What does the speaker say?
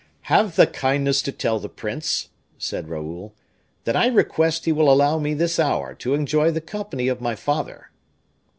"Have the kindness to tell the prince," said Raoul, "that I request he will allow me this hour to enjoy the company of my father."